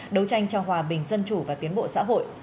đấu tranh cho hòa bình dân chủ và tiến bộ xã hội